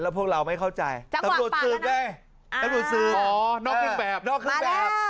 พวกเราไม่เข้าใจสำรวจซืมจบได้